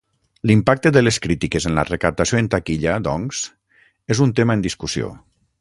L'impacte de les crítiques en la recaptació en taquilla, doncs, és un tema en discussió.